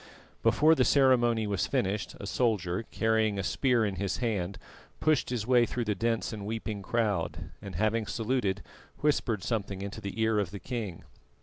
Before the ceremony was finished, a soldier, carrying a spear in his hand, pushed his way through the dense and weeping crowd, and having saluted, whispered something into the ear of the king.